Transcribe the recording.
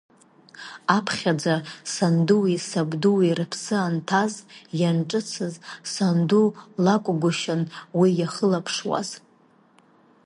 Аԥхьаӡа, сандуи сабдуи рыԥсы анҭаз, ианҿыцыз, санду лакәгәышьан уи иахылаԥшуаз.